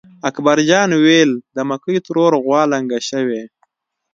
اکبر جان وېل: د مکۍ ترور غوا لنګه شوې.